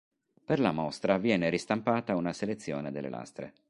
Per la mostra viene ristampata una selezione delle lastre.